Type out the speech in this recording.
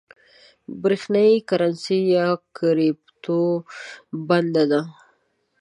برېښنايي کرنسۍ یا کريپټو بنده ده